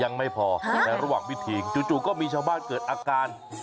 ยังไม่พอในระหว่างพิธีจู่ก็มีชาวบ้านเกิดอาการ